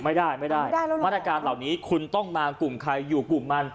ไม่ได้ไม่ได้มาตรการเหล่านี้คุณต้องมากลุ่มใครอยู่กลุ่มมัน